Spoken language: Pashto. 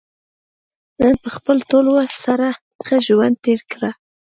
نن په خپل ټول وس سره ښه ژوند تېر کړه.